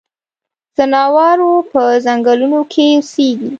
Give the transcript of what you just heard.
ځناور پۀ ځنګلونو کې اوسيږي.